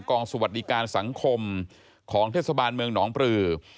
สวัสดีการสังคมของเทศบาลเมืองหนองปลือ